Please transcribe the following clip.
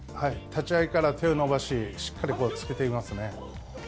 立ち合いから手を伸ばし、しっかり突けていますね。